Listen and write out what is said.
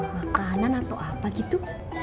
makanan atau apa gitu